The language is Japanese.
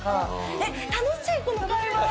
えっ、楽しい、この会話。